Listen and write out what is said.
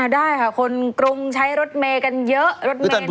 ได้ค่ะคนกรุงใช้รถเมย์กันเยอะรถเมย์